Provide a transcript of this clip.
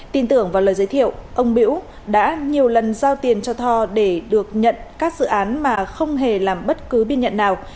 tin tưởng vào lời giới thiệu ông biễu đã nhiều lần giao tiền cho tho để được nhận các dự án mà không hề làm bất cứ biên nhận nào